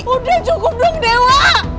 udah cukup dong dewa